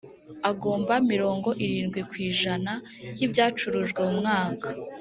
agomba mirongo irindwi ku ijana y ibyacurujwe mu mwaka